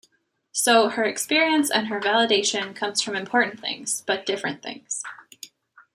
So her experience and her validation comes from important things, but different things.